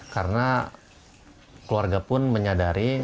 karena keluarga pun menyadari